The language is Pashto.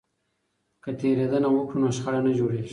که تیریدنه وکړو نو شخړه نه جوړیږي.